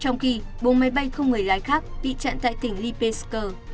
trong khi bốn máy bay không người lái khác bị chặn tại tỉnh lipecle